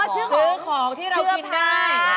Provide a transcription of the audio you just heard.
ซื้อของที่เรากินได้